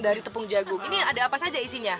dari tepung jagung ini ada apa saja isinya